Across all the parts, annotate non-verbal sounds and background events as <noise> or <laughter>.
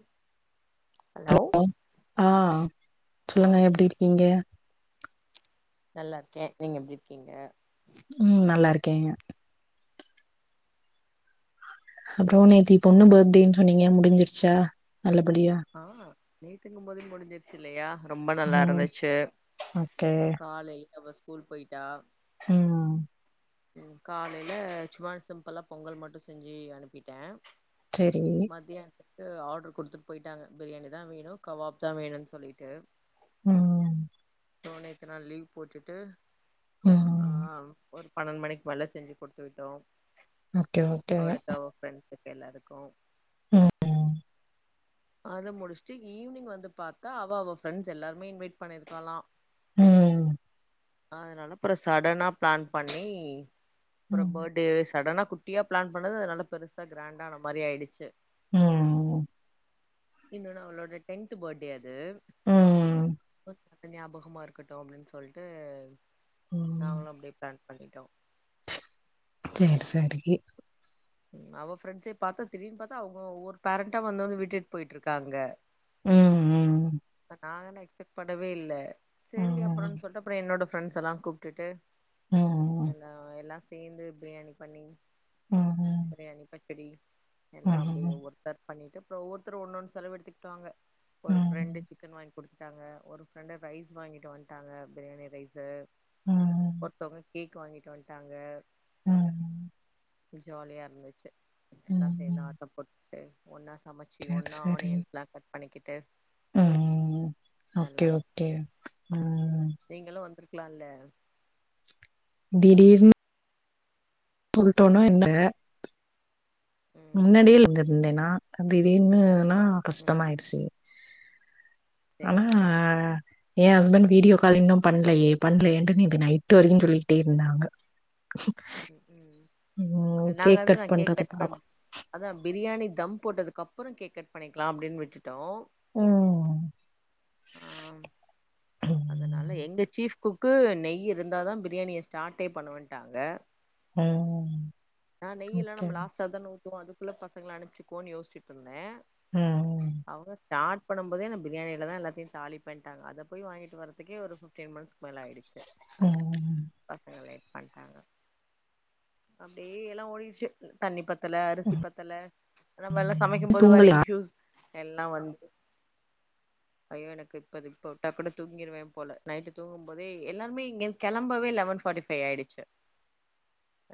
ம் <inaudible> ஆ ஆ ஆ சொல்லுங்க எப்டி இருக்கீங்க நல்லாருக்கே நீங்க எப்டி இருக்கீங்க உம் நல்லா இருக்கேங்க அப்புறம் நேத்தி பொண்ணு பர்த்டேன்னு சொன்னீங்க முடிஞ்சிருச்சா நல்லபடியா ஆ நேத்துங்க மோதே முடிஞ்சிருச்சு இல்லயா ரொம்ப நல்லா ம் இருந்துச்சு ஓகே காலை அவ ஸ்கூல் போய்டா ம் உம் காலையில சுமா சிம்பலா பொங்கல் மட்டு செஞ்சி அனுப்பிட்டே செரி க்கு ஆடர் குடுத்துட் போயிட்டாங்க பிரியாணி தா வேணு கபாப் தா வேணுன் சொல்லிட்டு உம் தோ நேத்து நா லீவ் போட்டுட்டு ஆ ம் ஒரு பன்னெண்டு மணிக்கு மேல செஞ்சி குடுத்து விட்டோ ஓகே ஓகே அவளுக்கு அவ ஃப்ரெண்ட்ஸுக்கு எல்லாருக்கு ம்ம் அத முடிஷ்ட்டு ஈவினிங் வந்து பாத்தா அவ அவ ஃப்ரெண்ட்ஸ் எல்லாருமே இன்வைட் பண்ணியிருக்காலா உம் அதனால அப்ற சடனா பிளான் பண்ணி அப்புற ம் பர்டேயே சடனா குட்டியா பிளான் பண்ணது அதுனல்லா பெருசா கிராண்டா ஆன மாரி ஆயிடுச்சி ம் இன்னும் நா அவளோட டென்த் பர்டே அது ம் து <unintelligible> ஞாபகோ சும்மா இருக்கட்டோம் அப்படின் சொல்ட்டு ம் நாங்களு அப்படியே பிளான் பண்ணிட்டோ சேர் சேரி அவ ஃப்ரெண்ஸே பாத்தா திரும்பிப் பாத்தா அவங்க ஒவ்வொரு பேரண்டா வந்து வந்து விட்டுட் போயிட்டு இருக்காங்க உம் உம் அ நாங்கல்லாம் எக்ஸ்பெக்ட் பண்ணவே இல்ல சேரி ம் அப்புறம்னு சொல்ட்டு அப்புறம் என்னோட ஃப்ரெண்ட்ஸ் எல்லா கூப்பிட்டுட்டு ம் எல்லா எல்லா சேர்ந்து பிரியாணி பண்ணி ம் ம் பிரியாணி பச்சடி எல்லா அப்டி ம் ஒவ்வொருத்தர் பண்ணிட்டு அப்புற ஒவ்வெருத்த ஒண்ணு ஒண்ணு செலவு எடுத்துக்கிட்டாக ம் ஒரு ஃப்ரெண்டு சிக்கன் வாங் குடுத்துட்டாங்க ஒரு ஃப்ரெண்டு ரைஸ் வாங்கிட்டு வந்துட்டாங்க பிரியாணி ரைஸு ம் ஒருத்தங்க கேக் வாங்கிட்டு வண்டாங்க ம் ஜாலியா இருந்துச்சு <unintelligible> எல்லா சேந்து ம் ஆட்டம் போட் <unintelligible> ஒன்ன சமச்சி சேரி ஒன்னா சேரி ஆனியன்ஸ் எல்லா கட் பண்ணிக்கிட்டு உம் ஓகே ஓகே உம் நீங்களும் வந்துரு இருக்கலால்ல திடீர்னு புல்டோன என்ன ம் முன்னாடியே இருந் இருந்தேனா அ திடீர்னு நா ம் கஷ்டமாயிடுச்சி சேரி ஆனா சேரி எ ஹஸ்பண்ட் வீடியோ கால் இன்னும் பண்லைய பண்ணல என்டு நேத்து நைட்டு வரைக்கும் சொல்லிட்டே இருந்தாங்க ம் ம் உம் கேக் கட் பண்றதுக்காக அதான் பிரியாணி தம் போட்டதுக்கு அப்புறம் கேக் கட் பண்ணிக்கலாம் அப்படின்னு விட்டுட் டோ ம் ஆ அதனால ம் எங்க சீப் கு க்கு நெய் இருந்தா தா பிரியாணிய ஸ்டார்ட்டே பண்ணுவட்டாங்க உம் ஓகே ப்போ அதுக்குள்ள பசங்கள அனுப்பச்சிக்கோன்னனு யேசிச்சுட்டு இருந்தே ம் அவங்க ஸ்ட் குக் பண்ணும்போது நா பிரியாணி ல தான் எல்லாத்தையும் தாளிப்பேன்ட்டாங்க அத போய் வாங்கிட்டு வரவே ஒரு பிப்டீன் மினிட்ஸ் மேல ஆயிடுச்சு ம் பசங்க லேட் பண்ட்டாங்க அப்டியே எல்லா ஓடிச்சு தண்ணி ப பத்ல அரிசி ம். பத்தல நம்ப எல்லா சமைக்கும் போது வர தூங்கலையா இஸ்யூஸ் எல்லா வந்து ஐயோ எனக்கு இப்ப விட்டா கூட தூங்கிருவேன் போல நைட்டு தூங்கும் போதே எல்லாருமே இங்க கிளம்பவே லெவன் ஃபார்ட்டி ஃபைவ் ஆயிச்சு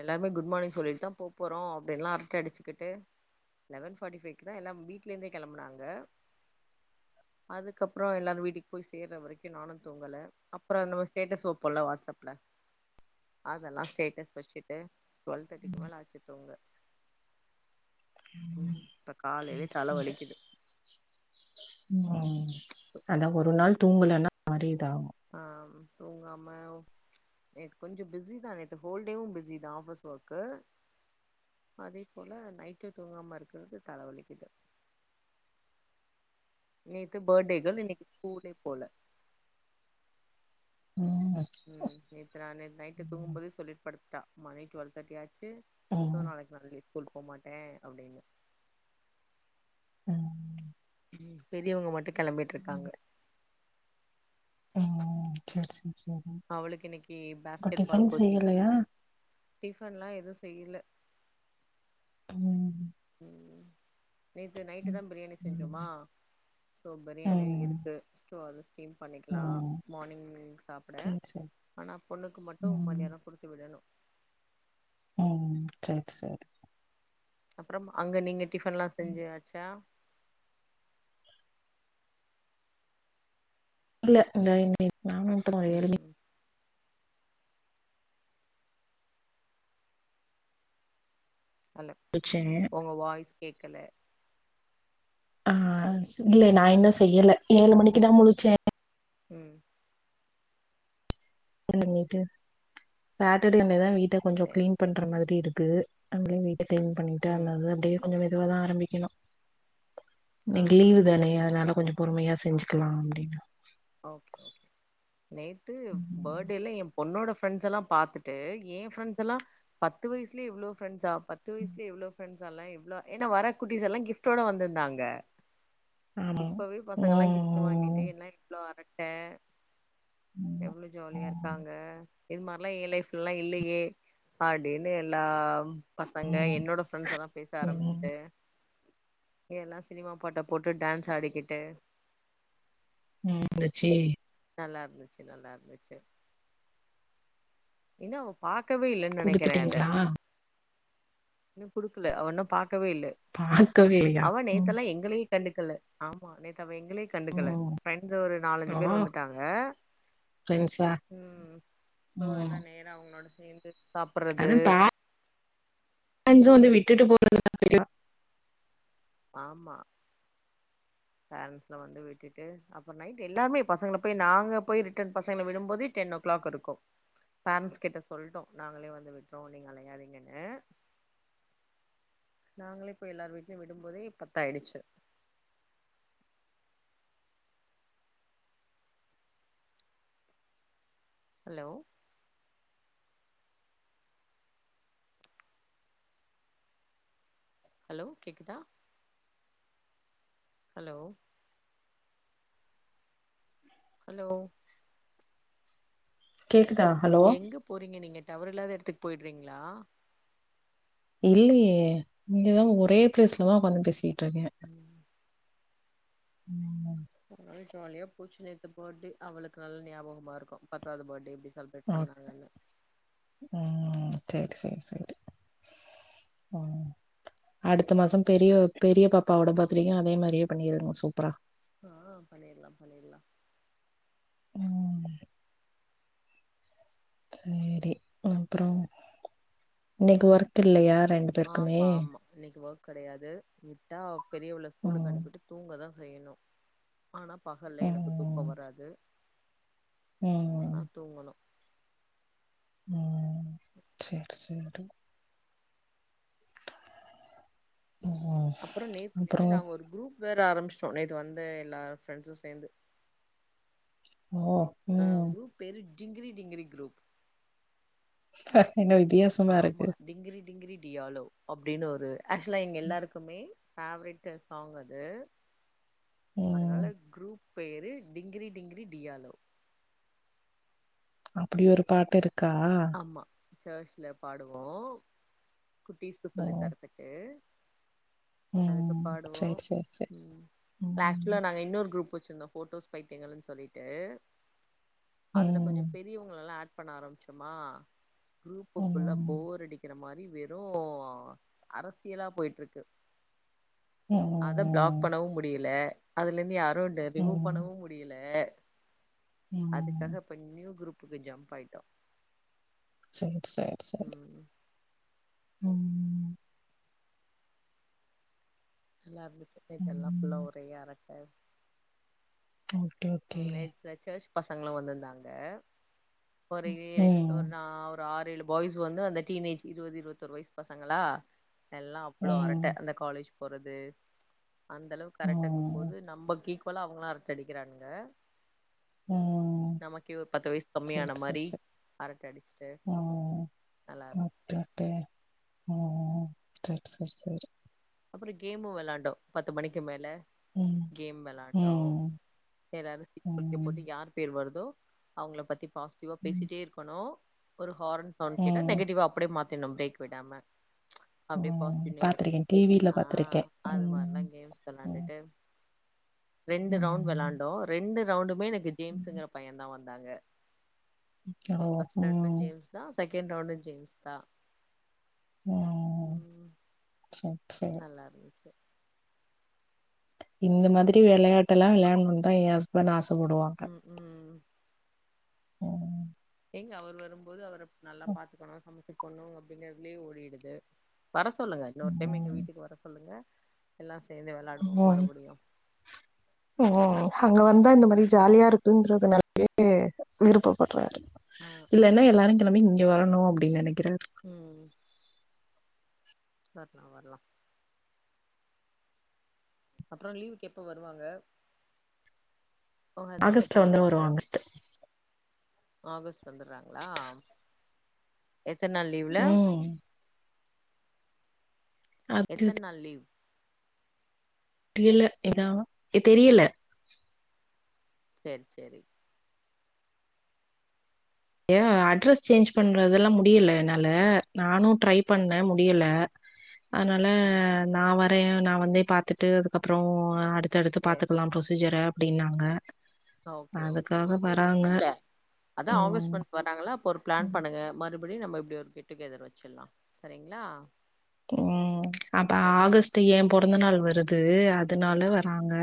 எல்லாருமே குட் மார்னிங் சொல்லிட்டு தா போப்போறோ அப்டின்ல எல்லாம் அரட்ட அடிச்சுக்கிட்டு லெவன் பாட்டிபைவ் தான் எல்ல வீடல இருந்தே கிளம்புனாங்க அதுக்கப்புற எல்லாரு வீட்டுக்கு போய் சேர்ற வரைக்கு நானு தூங்கல அப்புற நம ஸ்டேடஸ் வைப்போம்ல வாட்ஸ்அப்ல அதெல்லா ஸ்டேட்டஸ் பஷ்டிட்டு ட்வெல் தேட்டிக்கு மேல ஆச்சு தூங்க ம் <inaudible> ம் அந்த ஒரு நாள் தூங்கலனா <unintelligible> தா ஆ தூங்காம நேத்து கொஞ்ச பிஸிதா நேத்து ஹோல் டேவு பிஸிதா ஆஃபீஸ் ஒர்க்கு அதே போல நைட்டு தூங்காமருக்குறது தலவலிக்கிது நேத்து பர்ட்டேகேள் இன்னக்கி ஸ்கூலே போல ம் ம் நேத்து நா நேத்து நைட்டு தூங்கும்போதே சொல்லிட் படு த்தா மணி ட்வெல் தேர்ட்டி ஆயி ச்சு சோ ம் நாளைக் நா லீவ் ஸ்கூல் போமாட்டே அப்டின்னு ம் பெரியவுங்க மட்டு கெளம்பிட்ருக்காங்க ம் செர் செ அவளுக்கு இன்னக்கி பேஸ்கெட் பால் கோச்சிங் செய்யலையா டிஃபன்லா எது செய்ல ம் உம் நேத்து நைட்டு ம் தா பிரியாணி செஞ்சோமா சோ பிரியாணி ம் இருக்கு சோ அது ஸ்டீம் பண்ணிக்கலா ம் மார்னிங் சாப்ட சேரி சேரி ஆனா பொண்ணுக்கு மட்டு ம் மதியானொ குடுத்து விடணு ம் சேர் சேர் அப்றம் அங்க நீங்க டிஃபன்லா செஞ்சாச்சா? இல்ல இந்த <inaudible> நானு <inaudible> ம் ஹலோ முழிச்சே ஒங்க வாய்ஸ் கேக்கல ஆ இல்ல நா இன்னு செய்யல ஏழு மணிக்கு தா முழுச்சே ம் <inaudible> சாட்டர்டே அன்டேதா வீட் ட கொஞ்சொ சரி க்ளீன் பண்ற மாதிரி இருக் க்கு <inaudible> <unintelligible> பண்ணிட்டு ம் அந்தது அப்டே கொஞ்சொ மெதுவா தா ஆரம்பிக்கணு ஆ இன்னக்கி ஆ லீவு தானயெ அத்னால கொஞ்சொ பொறுமையா ஆ செஞ்சுக்கலா அப்டின்னு ஓகே ஓகே நேத்து பர்டேல என் பொண்ணோட பிரண்ட்ஸ்ல்லாம் பா்த்துட்டு எ பிரண்ட்ஸ் எல்லா பத்து வயசுலயே இவ்வளவு பிரண்ட்ஸா பத்து ம் வயசல இவ்வளவு பிரண்ட்ஸ் எல்லா இவ்ளோ ஏன்னா வர குட்டிஸ் எல்லா கிஃப்ட்டோட வந்திருந்தாங்க ஆமா இப்பவே பசங்க எல்லா கிப்ட் வாங்கிட்டு ம் என்ன வரட்டு ம் எவ்ளோ ஜாலியா இருக்காங்க இது மாதிரிலா என் லைஃப்லல்லா இல்லையே அப்படின்னு எல்லாம் பசங்க என்னோட ஃப்ரெண்ட்ஸ் எல்லாம் பேச ம் ஆரம்பிச்சுட்டு ஏனா சினிமா பாட்ட போட்டு டான்ஸ் ஆடிக்கிட்டு உம் அச்சி நல்லா இருந்துச்சு நல்லா இருந்துச்சு என்ன ஓ பா க்கவே இல்லைன்னு நினைக்கிறேன் அத குடுத்துட்டீங்களா இன்னும் குடுக்கல அவ இன்னும் பாக் கவே இல்ல பாக்கவே இல்லையா அவ ம் நேத்தெல்லா எங்களயே கண்டுக்கல்ல ஆமா நேத்தவங் ங்களையே கண்டுக்கல ம் பிரண்ட்ஸ் ஒரு நாலஞ்சு ஓ பேர் வந்துட்டாங்க ஃப்ரெண்ட்ஸா ம் சோ என்ன அவங்களோட சேர்ந்து அது தா அஞ்சுடு வீட் விட்டுட்டு <inaudible> ஆமா பேரன்ஸ்ல வந்து விட்டுட்டு அப்புறம் நைட் எல்லாருமே பசங்களை போய் நாங்க போய் ரிட்டர்ன் பசங்களை விடும்போதே டென் ஓ கிளாக் இருக்கும் பேரன்ஸ் கிட்ட சொல்லிட்டோம் நாங்களயே வந்து விட்டுறோம் நீங்க அலையாதீங்கன்னு நாங்களே போய் எல்லாரும் வீட்லயும் விடும்போதே பத்த ஆயிடுச்சு ஹலோ ஹலோ கேக்குதா ஹலோ ஹலோ கே எங்க போறீங்க நீங்க டவறு இல்லாத எடதுக் போய்றீங்ளா இல்லையே இங்கதான் ஒரே பிளேஸ்லதான் உக்க்காந்து பேசி தனியா ம் உம் ஆ <inaudible> <unintelligible> பூச்சி நித்து போது அவளுக்கு நல்ல ஞாபகமா இருக்கும் பத்தாவது பர்த்டே எப்படி ஒகே உம் சேரி சேரி சேரி ம் அடுத்த மாசம் பெரிய பெரிய பாப்பாவோட பர்த்டேக்கும் அதே மாதிரியே பண்ணிருங்க சூப்பரா ஆ பண்ணிடலாம் பண்ணிடலாம் ம் சேரி அப்ற உங்களுக் ஒர்க் த் இல்லயா ரெண்டு பேருக்குமே கிடையாது மிட்டா பெரியவள ம். ஸ்கூலுகுனுபிட்டு தூங்க தா செய்யணும் ஆனா பகல்ல எனக்கு தூக்கோ வராது உம் ஆனா தூங்கணு உம் சேரி சேரி ம். அப்புறம் நேத்திலருந்து அப்புறம் நாங்க ஒரு குரூப் வேற ஆரம்பிச்சு சென்ன வந்த எல்லார ஃப்ரெண்ட்ஸும் சேந்து ஓ ஆ உம் குரூப் பேரு டிங்கிரி டிங்கிரி குரூப் ஆ ஆமா டிங்கிரி டிங்கிரி டியாலோ அ அப்படின்னு ஒரு ஆக்ஷலா எங்க எல்லாருக்குமே ஃபேவரட்டு சாங் அது ம். அதனால குரூப் பேரு டிங்கிரி டிங்கிரி டியாலோ அப்படி ஒரு பாட்டு இருக் க்க ஆமா சர்ச்ல பாடுவோம் குட்டீஸ்க்கு ஓ! சொல்லி தரத்துக்கு அதுக்கு ம். பாடுவோம் சரி, சரி, சரி. உம் லாஸ்ட்ல ம். நாங்க இன்னொரு குரூப் வச்சு இருந்த போட்டோஸ் பைதியங்கல்னு சொல்லிட்டு அதுல கொஞ்சம் ம். பெரியவங்கள எல்லா ஆட் பன ஆரம்சு எம்மா குரூப் ஃபுல்லா ம். போர் அடிக்கிற மாரி வெறும் அரசியலா போயிட்டு இருக்கு அத பிளாக் ம். பண்ணவும் முடியல அதுலந்து யார் அரௌண்டு ரிமூவ் ம். பண்ணவும் முடியல அதுக்காக ம். இப்ப நியூ குரூப் க்கு ஜம்ப் ஆயிட்டோம் சேரி சேரி சேரி ம் உம் ல்ல கு சே நேத்து எல்லா ஃபுல்லா ம். ஒரே அரட்ட ஓகே ஓகே ஓகே பசங்களும் வந்திருந்தாங்க ஒரே ம். ஒரு நா ஒரு ஆறு ஏழு பாய்ஸ் வந்து அந்த டீனேஜ் இருவது இருபத்தோரு வயசு பசங்களா எல்லா அப்பளோ ம். அரட்டன் அந்த காலேஜ் போறது அந்த அளவுக்கு கரெக்டங்கும் ம். போது நம்ப கீ போல அவங்கள அரட்ட அடிறாங்க ஆ உம் சேரி கம்மியான சேரி மாரி சேரி அரட்ட அடிச்சுட்டு உம் நல்லா இரு முட் முட்டே ம் சேரி சேரி சேரி அப்புறம் கேமும் விளயாண்டோ பத்து மணிக்கு மேல ம். கேம் விளாண்டோம் ம். எல்லாரும் சீட்டு குலுக்கி போட்டு ம். யார் பேர் வரு தோ அவங்கள பத்தி பாசிட்டிவா ம். பேசிட்டே இருக்கணு ஒரு ஹாரன் சவுண்ட் கேட்டா ம். நெட்டிவ அடியே மாத் மாத்தினு பிரேக் விடாம அப்படியே உம் பாசிட்டிவ் நெகட்டிவ் பாத்துருக்கேன் டிவில ஆ பாத் அது மாரிலாம் கேம்ஸ் விளாண்டுட்டு ரெண்டு ரவுண் ம். விளாண்டோம் ரெண்டு ரவுண்டுமே எனக் ம். ஜேம்ஸ்ங்கிற பையனான் தா வந் ந்தாங்க ஓ உம் தா செகண்ட் ரவுண்டு ஜேம்ஸ்தா ம் சரி, சரி. நல்லா இருந்துச்சு. இந்த மாதிரி வெளையாட்டு எல்லா வெளையாடனுன்னுதா ஏன் ஹஸ்பண்ட் ஆச ப்படுவாங்க ம் ம் நீங்க அவர் வரும்போது அவர நல்லா ம். பாத்துக்கணு சமைச்சு போட்ணு அப்டிங்கிறதுலயே ஓடிடுது. வர சொல்லுங்க இன்னொரு டைம் எங்க ம். வீட்டுக்கு வர சொல்லுங்க எல்லா சேந்தே வெளையாடுவோ ம். மறுபடியு ம் அங்க வந்தா இந்த மாரி ஜாலியா இருக்குன்றதுனாலயே விருப்பப்படுறாரு. ஆ ஆ இல்லன்னா எல்லாரு கெளம்பி இங் க வரணு அப்டின்னு நெனைக் கிறே ம் வர்லா வர்லா அப்றோ லீவுக்கு எப்ப வருவாங்க? உங்க ஹஸ்பண்ட் எப்ப ஆகஸ்ட்ல வந்து வருவாங்க நெக்ஸ்ட்டு. ஆகஸ்ட் வந்தர்றாங்களா எத்தன நாள் லீவுல? ம் அது எத்தன நாள் லீவ்? இல்ல ஏன்னா ஏ தெரியல. செரி செரி ஏ அட்ரெஸ் சேஞ்ச் சரி பண்றதெல்லா முடியல இன்னா இல்ல நானு ட்ரை பண்ணே சரி சரி முடியல அதனால ம் நா வ ந்து நா வந்து பாத்துட்டு அதுக்கப்றோ அடுத் தடுத்து சரி பாத்துக்கலா ப்ரொசீஜர அப்டின்னாங்க ஓகே ஓகே அதுக்காக சேரி ஒன்னு வராங்க இல்ல அதா ஆகஸ்ட் ம் மந்த் வராங்கல்ல அப்ப ஒரு பிளான் பண்ணுங்க ம றுபடி நம்ம இப்டி ஒரு கெட் டுகெதர் வச்சிட்லா சரிங்களா ம் அப்ப சரி ஆகஸ்ட் யா பொறந்த நாள் வருது ம் அதனால வராங்க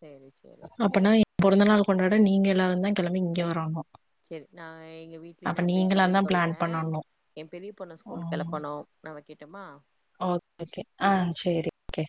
சரி சரி அப்பனா பொறந்த நாள் கொண்டாட நீங்க எல்லாரு தா கெளம்பி இங்க வரணு சேரி நா எங்க வீட்லயும் அப்ப நா நீங்களா பேசிட்டு தா பிளான் சொல்றேன் பண்ணணு என் பெரிய பொண்ண ஸ்கூல் கிளப்பனும் நா வைக் கட்டமா ஓகே ஆ செரி ஓகே